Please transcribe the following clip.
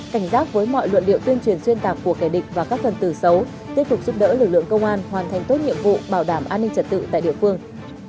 các phần tử xấu tiếp tục giúp đỡ lực lượng công an hoàn thành tốt nhiệm vụ bảo đảm an ninh trật tự tại địa phương